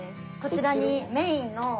こちらにメインの。